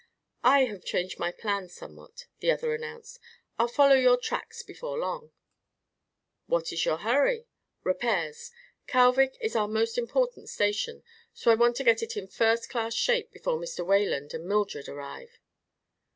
"I have changed my plans somewhat," the other announced. "I'll follow your tracks before long." "What is your hurry?" "Repairs. Kalvik is our most important station, so I want to get it in first class shape before Mr. Wayland and Mildred arrive."